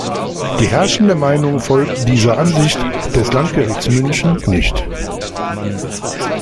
Die herrschende Meinung folgt dieser Ansicht des Landgerichts München nicht.